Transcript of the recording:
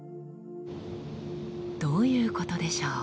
どういうことでしょう？